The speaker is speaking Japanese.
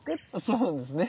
そうなんですね。